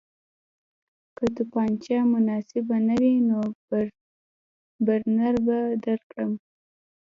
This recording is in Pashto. که توپانچه مناسبه نه وي نو برنر به درکړم